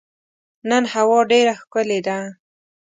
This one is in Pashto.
نن هوا ډېره ښکلې ده.